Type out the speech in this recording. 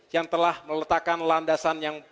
yang telah meletakkan landasan yang